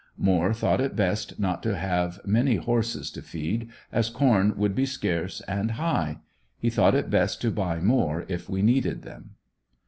Moore thought it best not to have many horses to feed, as corn would be scarce and high. He thought it best to buy more if we needed them.